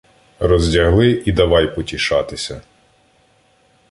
Роздягли і давай потішатися.